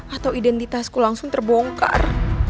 atau identitasku langsung terbongkar